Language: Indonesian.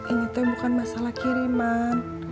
ini tuh bukan masalah kiriman